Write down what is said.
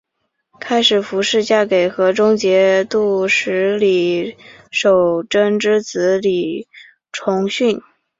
开始符氏嫁给河中节度使李守贞之子李崇训。